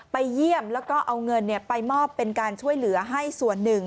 ไปเยี่ยมแล้วก็เอาเงินไปมอบเป็นการช่วยเหลือให้ส่วนหนึ่ง